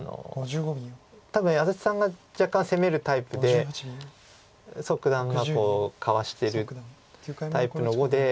多分安達さんが若干攻めるタイプで蘇九段がかわしてるタイプの碁で。